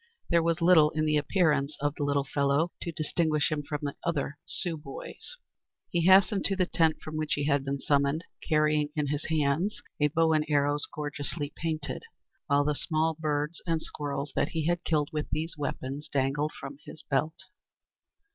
There was little in the appearance of the little fellow to distinguish him from the other Sioux boys. He hastened to the tent from which he had been summoned, carrying in his hands a bow and arrows gorgeously painted, while the small birds and squirrels that he had killed with these weapons dangled from his belt.